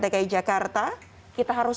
dki jakarta kita harus